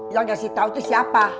yang kasih tau itu siapa